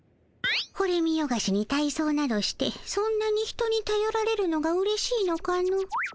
これ見よがしに体そうなどしてそんなに人にたよられるのがうれしいのかの。